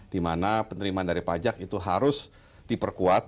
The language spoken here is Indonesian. di mana penerimaan dari pajak itu harus diperkuat